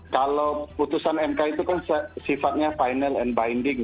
kalau putusan mk itu kan sifatnya final and binding